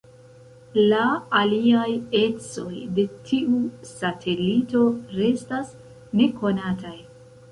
La aliaj ecoj de tiu satelito restas nekonataj.